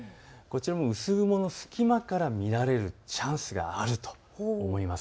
薄雲の隙間から見られるチャンスがあると思います。